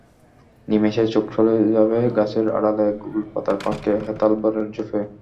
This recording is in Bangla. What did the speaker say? নিমেষেই চোখ চলে যাবে গাছের আড়ালে, গোলপাতার ফাঁকে, হেতাল বনের ঝোপে।